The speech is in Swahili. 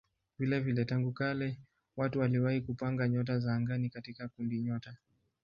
Vilevile tangu kale watu waliwahi kupanga nyota za angani katika kundinyota.